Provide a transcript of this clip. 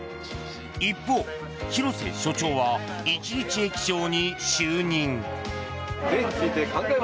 一方、廣瀬署長は一日駅長に就任。